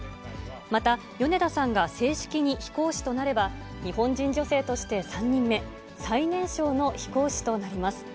また、米田さんが正式に飛行士となれば、日本人女性として３人目、最年少の飛行士となります。